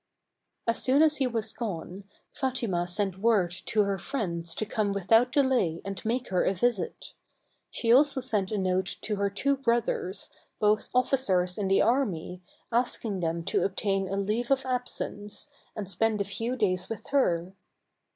As soon as he was gone, Fatima sent word to her friends to come without delay and make her a visit. She also sent a note to her two brothers, both officers in the army, asking them to obtain a leave of absence, and spend a few days with her.